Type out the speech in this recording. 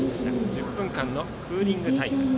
１０分間のクーリングタイム。